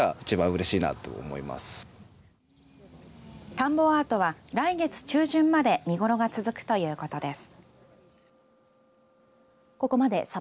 田んぼアートは来月中旬まで見頃が続くということです。